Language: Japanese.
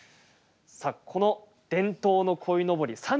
さあこの、伝統の鯉のぼり。